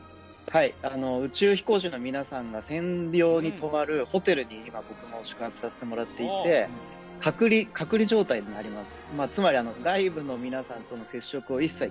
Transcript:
宇宙飛行士の皆さんが専用に泊まるホテルに今、僕も宿泊させてもらっていて、隔離状態になります。